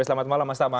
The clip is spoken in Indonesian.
selamat malam mas tamai